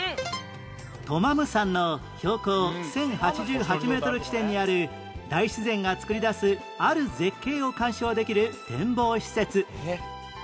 トマム山の標高１０８８メートル地点にある大自然が作り出すある絶景を観賞できる展望施設